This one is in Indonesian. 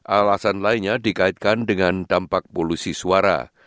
alasan lainnya dikaitkan dengan dampak polusi suara